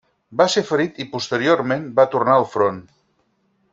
Va ser ferit i posteriorment va tornar al front.